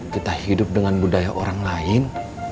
kita hidup dengan budaya orang lain